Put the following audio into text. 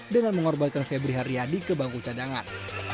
dengan mengorbankan febriha riyadi ke bangku cadangan